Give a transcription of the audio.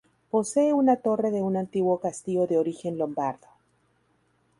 Posee una torre de un antiguo castillo de origen lombardo.